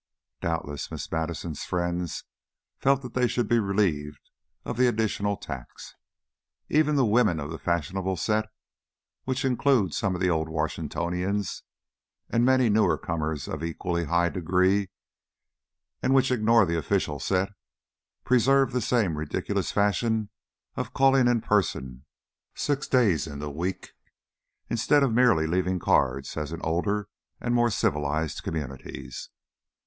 Doubtless Miss Madison's friends felt that they should be relieved of the additional tax. Even the women of the fashionable set, which includes some of the Old Washingtonians and many newer comers of equally high degree, and which ignores the official set, preserve the same ridiculous fashion of calling in person six days in the week instead of merely leaving cards as in older and more civilized communities.